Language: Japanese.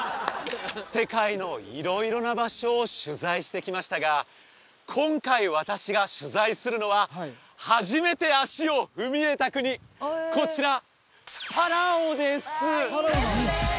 世界の色々な場所を取材してきましたが今回私が取材するのは初めて足を踏み入れた国こちらパラオです！